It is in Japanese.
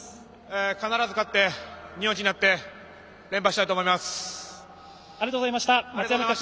必ず勝って日本一になって連覇したいと思います。